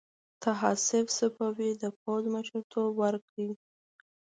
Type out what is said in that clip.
طاهاسپ صفوي د پوځ مشرتوب ورکړ.